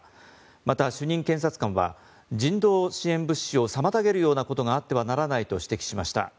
また主任検察官は人道支援物資を妨げるようなことがあってはならないと指摘しました。